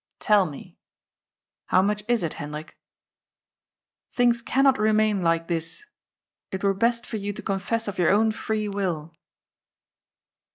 Tell me. How much is it, Hendrik? Things cannot remain like this ! It were best for you to confess of your own free will."